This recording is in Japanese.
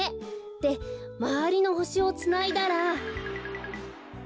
でまわりのほしをつないだら。